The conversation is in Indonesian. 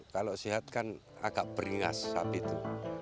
kalau sehat kan agak beringas sapi itu